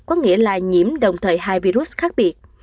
có nghĩa là nhiễm đồng thời hai virus khác biệt